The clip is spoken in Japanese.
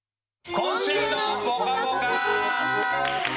「今週のぽかぽか」。